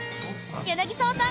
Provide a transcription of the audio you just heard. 柳澤さん